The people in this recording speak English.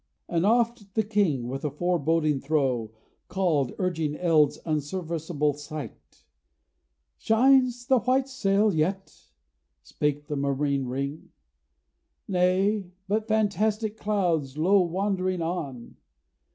And oft the king, with a foreboding throe Called, urging eld's unserviceable sight: 'Shines the white sail yet?' Spake the murmurous ring: 'Nay; but fantastic clouds low wandering on.